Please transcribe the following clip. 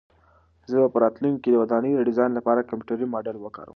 زه به په راتلونکي کې د ودانۍ د ډیزاین لپاره کمپیوټري ماډل وکاروم.